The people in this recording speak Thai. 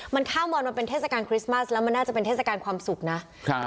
มันข้ามมอนมันเป็นเทศกาลคริสต์มัสแล้วมันน่าจะเป็นเทศกาลความสุขนะครับ